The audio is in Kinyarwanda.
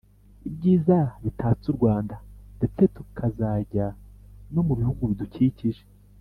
ibyiza bitatse u rwanda ndetse tukazajya no mu bihugu bidukikije